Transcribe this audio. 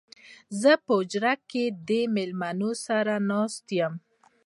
زه په حجره کې د مېلمنو سره ناست يم